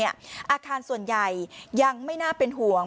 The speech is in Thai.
อาคารส่วนใหญ่ยังไม่น่าเป็นห่วง